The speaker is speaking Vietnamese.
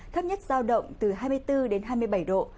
thấp nhất giao động từ hai mươi bốn đến hai mươi bảy độ